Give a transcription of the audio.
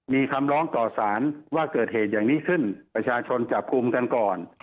มีคำร้องต่อสารว่าเกิดเหตุอย่างนี้ขึ้นประชาชนจับกลุ่มกันก่อน